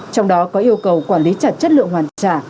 trong đó có yêu cầu quản lý chặt chất lượng hoàn trả